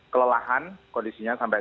kelelahan kondisinya sampai